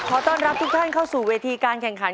ขอต้อนรับทุกท่านเข้าสู่เวทีการแข่งขัน